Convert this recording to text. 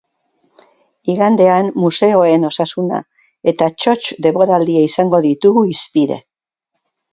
Igandean, museoen osasuna eta txotx denboraldia izango ditugu hizpide.